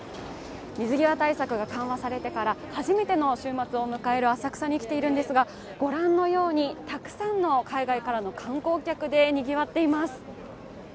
水際対策が緩和されてから初めての週末を迎える浅草に来ているんですが、ご覧のようにたくさんの海外からの観光客でにぎわっています。